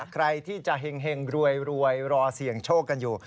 ใครที่จะเห็งรวยรอเสี่ยงโชคกันอยู่